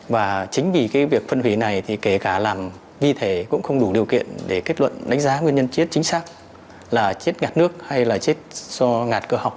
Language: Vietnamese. và chính vì cái việc phân hủy này thì kể cả làm vi thể cũng không đủ điều kiện để kết luận đánh giá nguyên nhân chết chính xác là chết ngạt nước hay là chết do ngạt cơ học